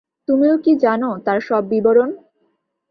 তুমিও কি জান তার সব বিবরণ?